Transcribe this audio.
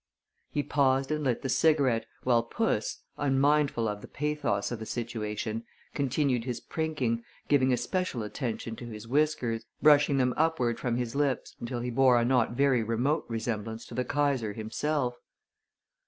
He paused and lit the cigarette, while Puss, unmindful of the pathos of the situation, continued his prinking, giving especial attention to his whiskers, brushing them upward from his lips until he bore a not very remote resemblance to the Kaiser himself.